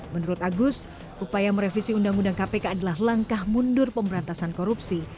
menurut agus upaya merevisi undang undang kpk adalah langkah mundur pemberantasan korupsi